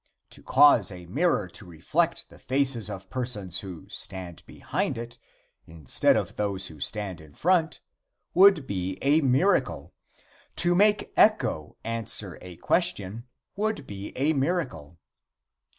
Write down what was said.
To cause a mirror to reflect the faces of persons who stand behind it, instead of those who stand in front, would be a miracle. To make echo answer a question would be a miracle.